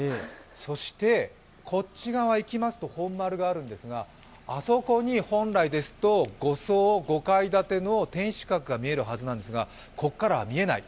そしてこっち側行きますと本丸があるんですが、あそこに本来ですと５階建ての天守閣が見えるはずなんですがここからは見えない。